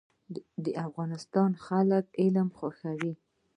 د افغانستان خلک علم خوښوي